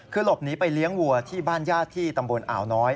คือหลบหนีไปเลี้ยงวัวที่บ้านญาติที่ตำบลอ่าวน้อย